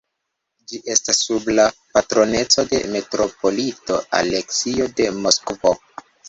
Ĝi estas sub la patroneco de metropolito Aleksio de Moskvo.